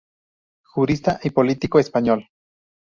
Jurista y político español.